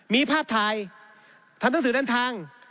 มีภาพถ่ายทำหนังสือเดินทาง